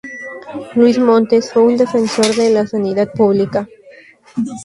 Luis Montes fue un defensor de la sanidad pública.